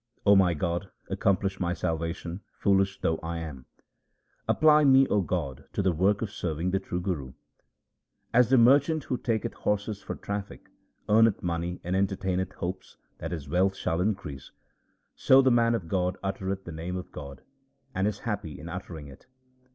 O my God, accomplish my salvation, foolish though I am ! Apply me, O God, to the work of serving the true Guru. As the merchant who taketh horses for traffic, Earneth money and entertaineth hopes that his wealth shall increase ; So the man of God uttereth the name of God, and is happy in uttering it.